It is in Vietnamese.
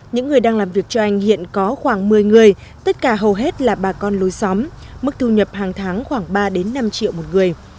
những người đang làm việc cho anh hiện có khoảng một mươi người tất cả hầu hết là bà con lối xóm mức thu nhập hàng tháng khoảng ba năm triệu một người